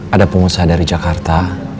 ada pengusaha dari jakarta